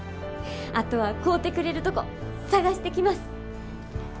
あとは買うてくれるとこ探してきます。